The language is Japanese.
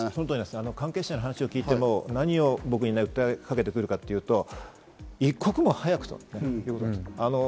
関係者に話を聞いても何を僕に訴えかけてくるかというと、一刻も早くということですね。